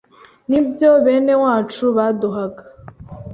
n’ibyo bene wacu baduhaga,